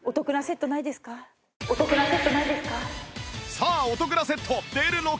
さあお得なセット出るのか？